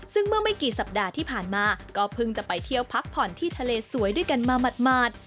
ซึ่งเมื่อไม่กี่สัปดาห์ที่ผ่านมาก็เพิ่งจะไปเที่ยวพักผ่อนที่ทะเลสวยด้วยกันมาหมาด